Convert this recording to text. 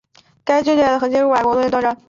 该组织的核心成员是法国的工人斗争。